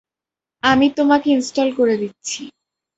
আমি তোমাকে ইনস্টল করে দিচ্ছি।